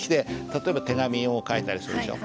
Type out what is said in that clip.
例えば手紙を書いたりするでしょ。